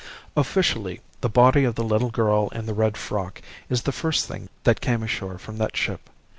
"Officially, the body of the little girl in the red frock is the first thing that came ashore from that ship.